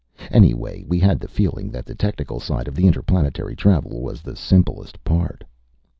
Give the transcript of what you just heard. Anyway, we had the feeling that the technical side of interplanetary travel was the simplest part.